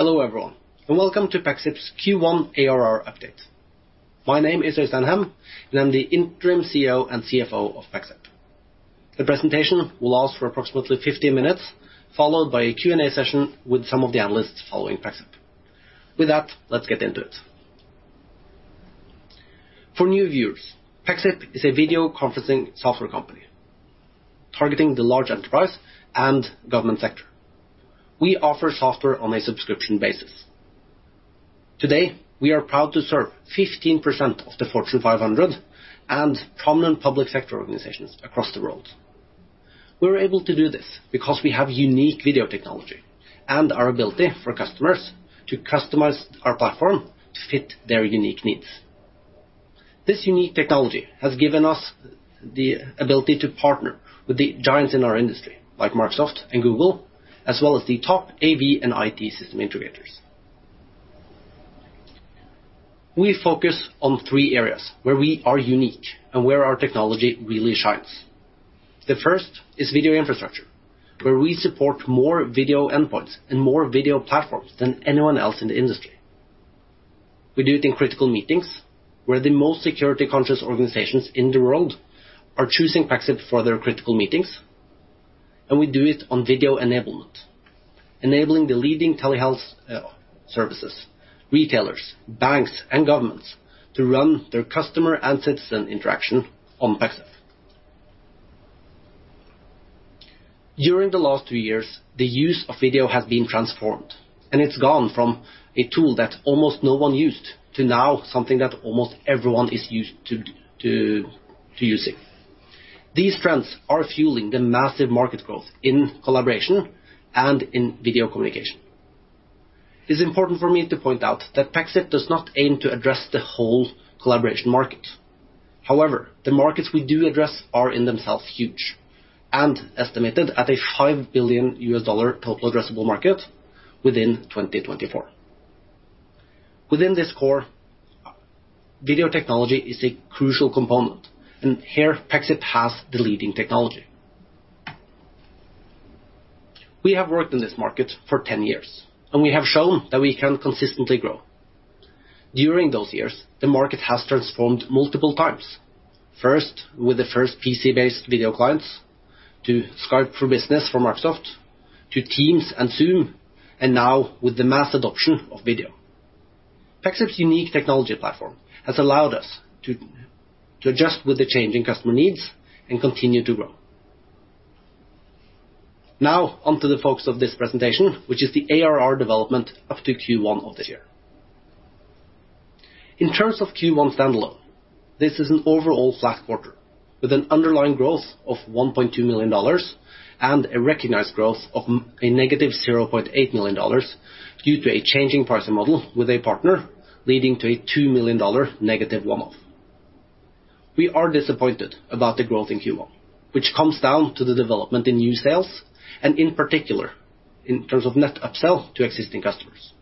Hello everyone, and welcome to Pexip's Q1 ARR update. My name is Øystein Dahl Hem, and I'm the Interim CEO and CFO of Pexip. The presentation will last for approximately 15 minutes, followed by a Q&A session with some of the analysts following Pexip. With that, let's get into it. For new viewers, Pexip is a video conferencing software company targeting the large enterprise and government sector. We offer software on a subscription basis. Today, we are proud to serve 15% of the Fortune 500 and prominent public sector organizations across the world. We're able to do this because we have unique video technology and our ability for customers to customize our platform to fit their unique needs. This unique technology has given us the ability to partner with the giants in our industry like Microsoft and Google, as well as the top AV and IT system integrators. We focus on three areas where we are unique and where our technology really shines. The first is video infrastructure, where we support more video endpoints and more video platforms than anyone else in the industry. We do it in critical meetings, where the most security-conscious organizations in the world are choosing Pexip for their critical meetings, and we do it on Video Enablement, enabling the leading telehealth, services, retailers, banks, and governments to run their customer and citizen interaction on Pexip. During the last two years, the use of video has been transformed, and it's gone from a tool that almost no one used to now something that almost everyone is used to using. These trends are fueling the massive market growth in collaboration and in video communication. It's important for me to point out that Pexip does not aim to address the whole collaboration market. However, the markets we do address are in themselves huge and estimated at a $5 billion total addressable market within 2024. Within this core, video technology is a crucial component, and here Pexip has the leading technology. We have worked in this market for 10 years, and we have shown that we can consistently grow. During those years, the market has transformed multiple times. First, with the first PC-based video clients to Skype for Business from Microsoft to Teams and Zoom, and now with the mass adoption of video. Pexip's unique technology platform has allowed us to adjust with the changing customer needs and continue to grow. Now on to the focus of this presentation, which is the ARR development up to Q1 of this year. In terms of Q1 standalone, this is an overall flat quarter with an underlying growth of $1.2 million and a recognized growth of -$0.8 million due to a changing pricing model with a partner leading to a $2 million negative one-off. We are disappointed about the growth in Q1, which comes down to the development in new sales and in particular in terms of net upsell to existing customers.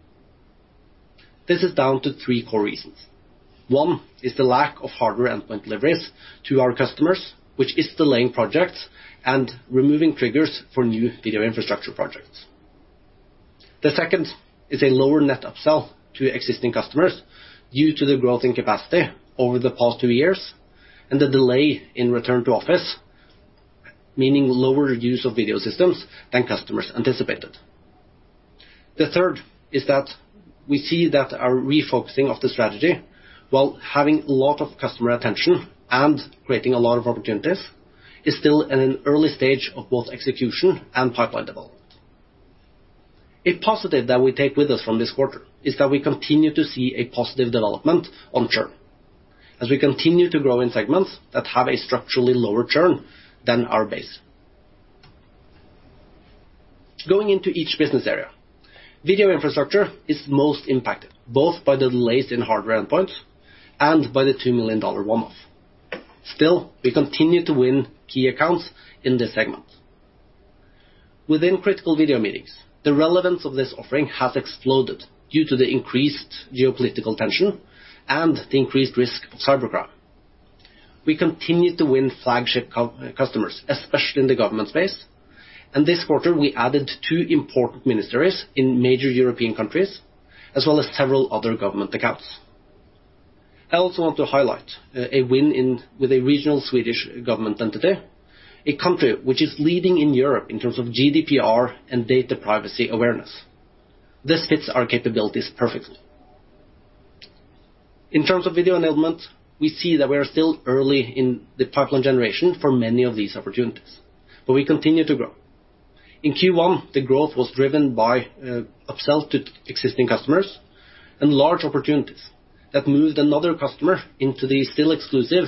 This is down to three core reasons. One is the lack of hardware endpoint deliveries to our customers, which is delaying projects and removing triggers for new video infrastructure projects. The second is a lower net upsell to existing customers due to the growth in capacity over the past two years and the delay in return to office, meaning lower use of video systems than customers anticipated. The third is that we see that our refocusing of the strategy, while having a lot of customer attention and creating a lot of opportunities, is still at an early stage of both execution and pipeline development. A positive that we take with us from this quarter is that we continue to see a positive development on churn as we continue to grow in segments that have a structurally lower churn than our base. Going into each business area, Video Infrastructure is most impacted, both by the delays in hardware endpoints and by the $2 million one-off. Still, we continue to win key accounts in this segment. Within Critical Video Meetings, the relevance of this offering has exploded due to the increased geopolitical tension and the increased risk of cybercrime. We continued to win flagship customers, especially in the government space. This quarter, we added two important ministries in major European countries, as well as several other government accounts. I also want to highlight a win with a regional Swedish government entity, a country which is leading in Europe in terms of GDPR and data privacy awareness. This fits our capabilities perfectly. In terms of Video Enablement, we see that we are still early in the pipeline generation for many of these opportunities, but we continue to grow. In Q1, the growth was driven by upsells to existing customers and large opportunities that moved another customer into the still exclusive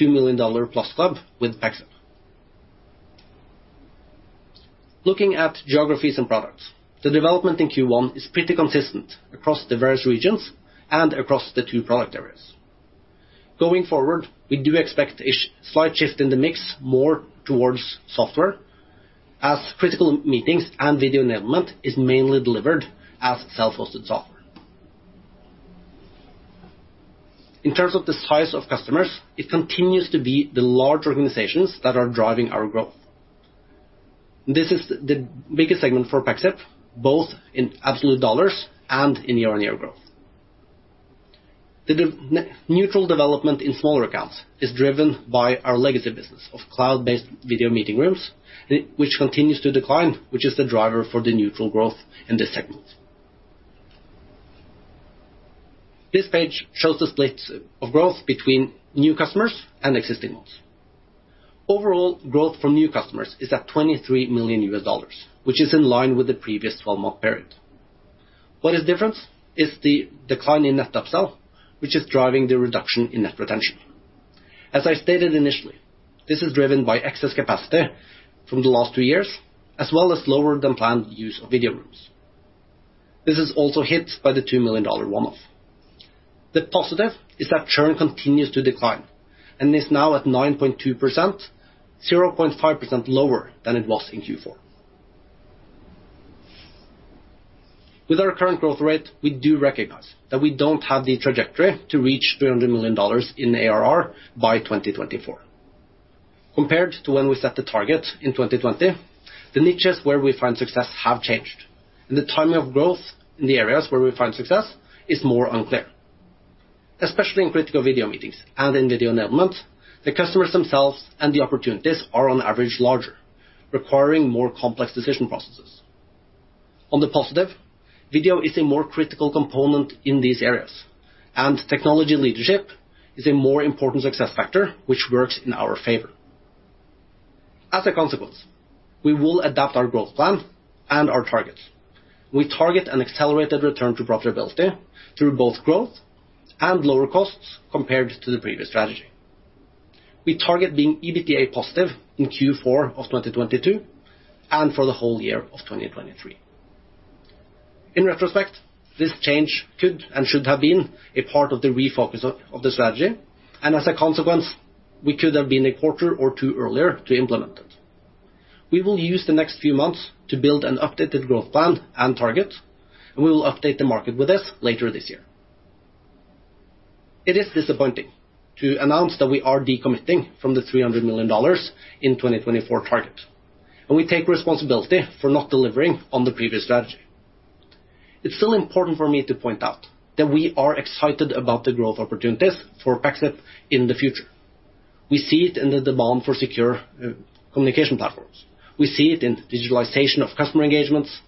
$2 million+ club with Pexip. Looking at geographies and products, the development in Q1 is pretty consistent across the various regions and across the two product areas. Going forward, we do expect a slight shift in the mix more towards software as critical meetings and Video Enablement is mainly delivered as self-hosted software. In terms of the size of customers, it continues to be the large organizations that are driving our growth. This is the biggest segment for Pexip, both in absolute dollars and in year-on-year growth. The neutral development in smaller accounts is driven by our legacy business of cloud-based video meeting rooms, which continues to decline, which is the driver for the neutral growth in this segment. This page shows the split of growth between new customers and existing ones. Overall, growth from new customers is at $23 million, which is in line with the previous twelve-month period. What is different is the decline in net upsell, which is driving the reduction in net retention. As I stated initially, this is driven by excess capacity from the last two years, as well as lower than planned use of video rooms. This is also hit by the $2 million one-off. The positive is that churn continues to decline and is now at 9.2%, 0.5% lower than it was in Q4. With our current growth rate, we do recognize that we don't have the trajectory to reach $300 million in ARR by 2024. Compared to when we set the target in 2020, the niches where we find success have changed, and the timing of growth in the areas where we find success is more unclear. Especially in critical video meetings and in Video Enablement, the customers themselves and the opportunities are on average larger, requiring more complex decision processes. On the positive, video is a more critical component in these areas, and technology leadership is a more important success factor, which works in our favor. As a consequence, we will adapt our growth plan and our targets. We target an accelerated return to profitability through both growth and lower costs compared to the previous strategy. We target being EBITDA positive in Q4 of 2022 and for the whole year of 2023. In retrospect, this change could and should have been a part of the refocus of the strategy, and as a consequence, we could have been a quarter or two earlier to implement it. We will use the next few months to build an updated growth plan and target, and we will update the market with this later this year. It is disappointing to announce that we are decommitting from the $300 million in 2024 target, and we take responsibility for not delivering on the previous strategy. It's still important for me to point out that we are excited about the growth opportunities for Pexip in the future. We see it in the demand for secure communication platforms. We see it in digitalization of customer engagements,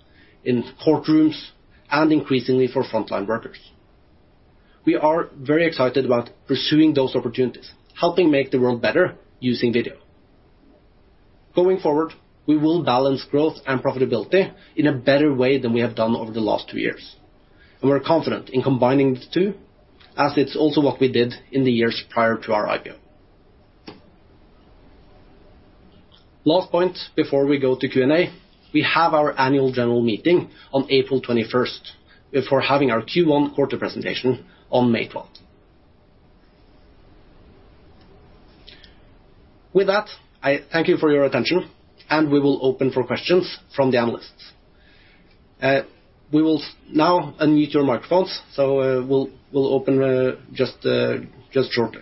in courtrooms, and increasingly for frontline workers. We are very excited about pursuing those opportunities, helping make the world better using video. Going forward, we will balance growth and profitability in a better way than we have done over the last two years, and we're confident in combining the two, as it's also what we did in the years prior to our IPO. Last point before we go to Q&A, we have our annual general meeting on April 21, before having our Q1 quarter presentation on May 12. With that, I thank you for your attention, and we will open for questions from the analysts. We will now unmute your microphones, so we'll open just shortly.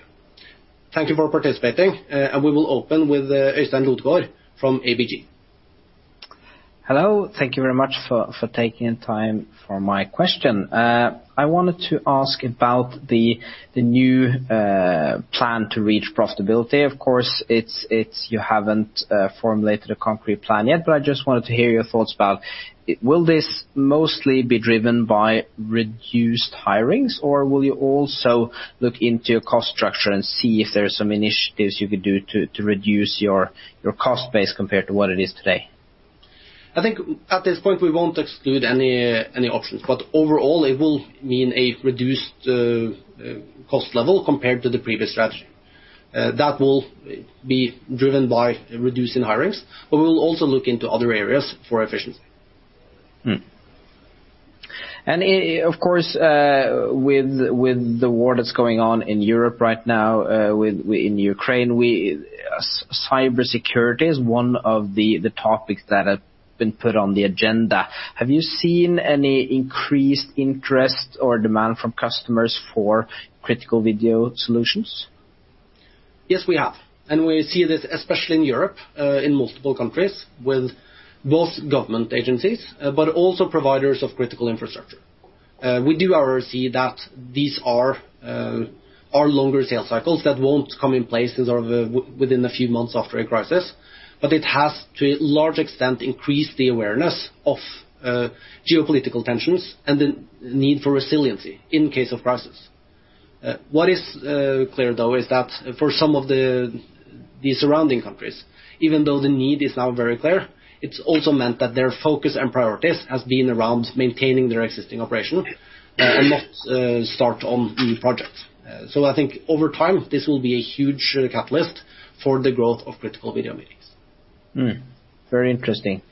Thank you for participating, and we will open with Øystein Lodgaard from ABG. Hello, thank you very much for taking time for my question. I wanted to ask about the new plan to reach profitability. Of course, it's you haven't formulated a concrete plan yet, but I just wanted to hear your thoughts about will this mostly be driven by reduced hirings, or will you also look into your cost structure and see if there are some initiatives you could do to reduce your cost base compared to what it is today? I think at this point, we won't exclude any options. Overall, it will mean a reduced cost level compared to the previous strategy. That will be driven by reducing hirings, but we will also look into other areas for efficiency. Of course, with the war that's going on in Europe right now, within Ukraine, cybersecurity is one of the topics that have been put on the agenda. Have you seen any increased interest or demand from customers for critical video solutions? Yes, we have. We see this especially in Europe, in multiple countries with both government agencies, but also providers of critical infrastructure. We do already see that these are longer sales cycles that won't come in place within a few months after a crisis, but it has to a large extent increased the awareness of geopolitical tensions and the need for resiliency in case of crisis. What is clear, though, is that for some of the surrounding countries, even though the need is now very clear, it's also meant that their focus and priorities has been around maintaining their existing operation and not start on new projects. I think over time, this will be a huge catalyst for the growth of critical video meetings. Very interesting.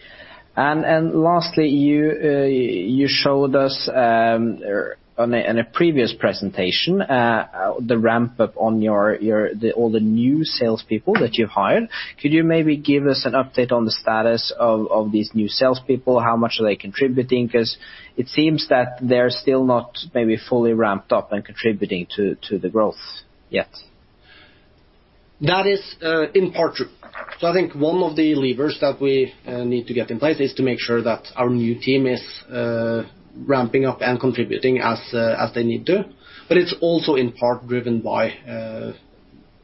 Lastly, you showed us in a previous presentation the ramp-up on all the new salespeople that you've hired. Could you maybe give us an update on the status of these new salespeople? How much are they contributing? 'Cause it seems that they're still not maybe fully ramped up and contributing to the growth yet. That is, in part true. I think one of the levers that we need to get in place is to make sure that our new team is ramping up and contributing as they need to. It's also in part driven by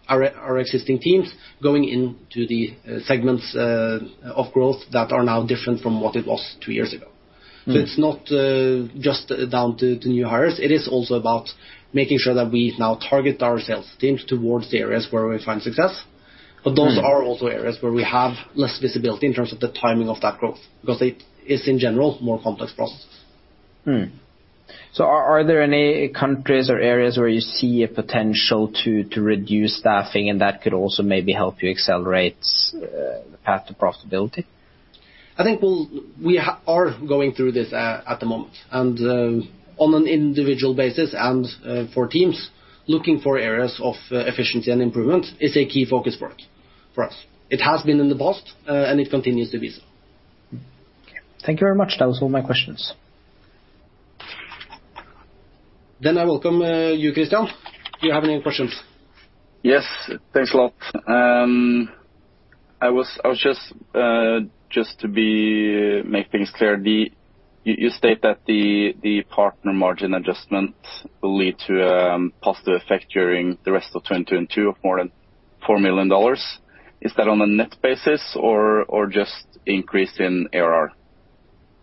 our existing teams going into the segments of growth that are now different from what it was two years ago. It's not just down to new hires. It is also about making sure that we now target our sales teams towards the areas where we find success. Those are also areas where we have less visibility in terms of the timing of that growth because it is in general more complex processes. Are there any countries or areas where you see a potential to reduce staffing and that could also maybe help you accelerate the path to profitability? We are going through this at the moment. On an individual basis and for teams looking for areas of efficiency and improvement is a key focus for us. It has been in the past and it continues to be so. Thank you very much. That was all my questions. I welcome you, Christian. Do you have any questions? Yes. Thanks a lot. I was just to make things clear. You state that the partner margin adjustment will lead to a positive effect during the rest of 2022 more than $4 million. Is that on a net basis or just increase in ARR?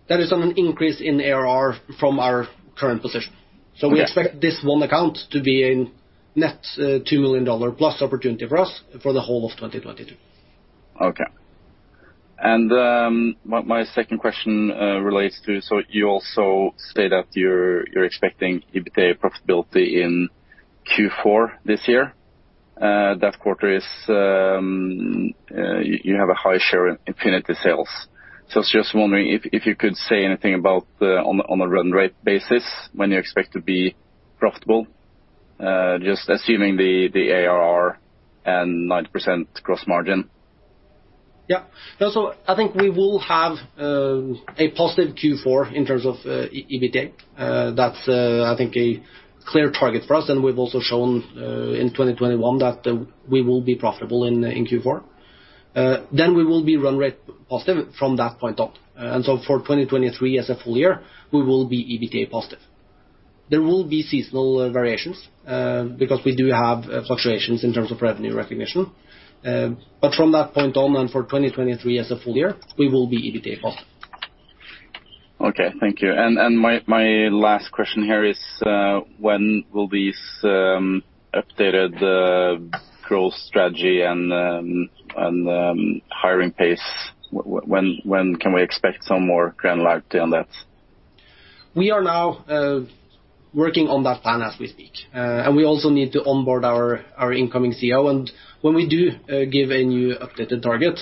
That is on an increase in ARR from our current position. Okay. We expect this one account to be a net, $2 million+ opportunity for us for the whole of 2022. Okay. My second question relates to you also state that you're expecting EBITDA profitability in Q4 this year. That quarter, you have a high share in Infinity sales. I was just wondering if you could say anything about on a run rate basis when you expect to be profitable just assuming the ARR and 9% gross margin. Yeah. I think we will have a positive Q4 in terms of EBITDA. That's a clear target for us, and we've also shown in 2021 that we will be profitable in Q4. Then we will be run rate positive from that point on. For 2023 as a full year, we will be EBITDA positive. There will be seasonal variations because we do have fluctuations in terms of revenue recognition. From that point on and for 2023 as a full year, we will be EBITDA positive. Okay, thank you. My last question here is, when will these updated growth strategy and hiring pace, when can we expect some more granularity on that? We are now working on that plan as we speak. We also need to onboard our incoming CEO. When we do give a new updated target,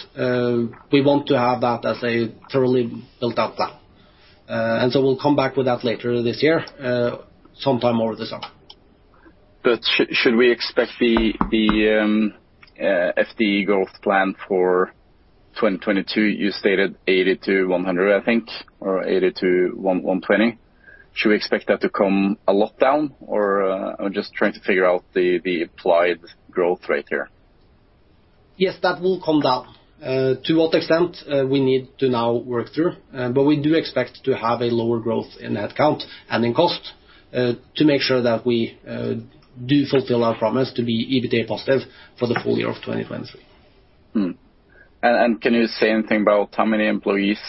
we want to have that as a thoroughly built-out plan. We'll come back with that later this year, sometime over the summer. Should we expect the FTE growth plan for 2022, you stated 80 to 100, I think, or 80 to 120. Should we expect that to come a lot down or, I'm just trying to figure out the applied growth rate here. Yes, that will come down to what extent we need to now work through. We do expect to have a lower growth in that count and in cost to make sure that we do fulfill our promise to be EBITDA positive for the full year of 2023. Can you say anything about how many employees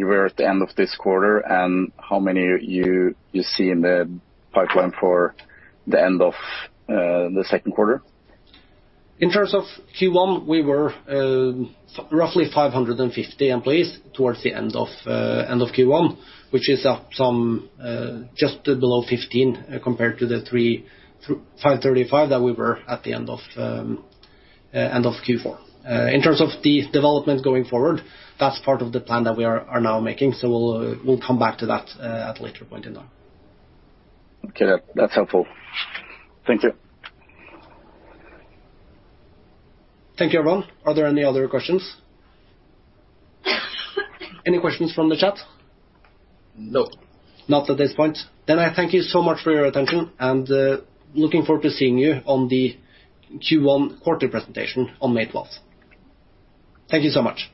you were at the end of this quarter and how many you see in the pipeline for the end of the second quarter? In terms of Q1, we were roughly 550 employees towards the end of Q1, which is up some just below 15 compared to the 535 that we were at the end of Q4. In terms of the development going forward, that's part of the plan that we are now making, so we'll come back to that at a later point in time. Okay. That's helpful. Thank you. Thank you, everyone. Are there any other questions? Any questions from the chat? No. Not at this point. I thank you so much for your attention, and looking forward to seeing you on the Q1 quarterly presentation on May 12. Thank you so much.